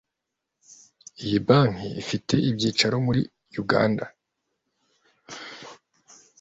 Iyi Banki ifite ibyicaro muri Uganda